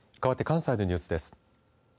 かわって関西のニュースです。